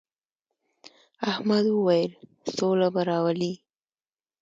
احمد وويل: سوله به راولې.